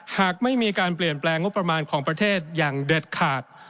หากไม่มีการเปลี่ยนแปลงงบประมาณของประเทศอย่างเด็ดขาด